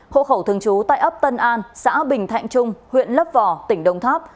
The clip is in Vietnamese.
hộ khẩu thường trú tại ấp tân an xã bình thạnh trung huyện lấp vò tỉnh đồng tháp